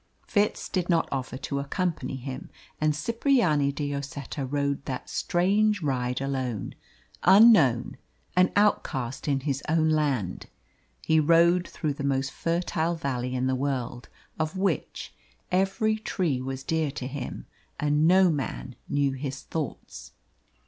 Fitz did not offer to accompany him, and Cipriani de Lloseta rode that strange ride alone; unknown, an outcast in his own land, he rode through the most fertile valley in the world, of which every tree was dear to him; and no man knew his thoughts.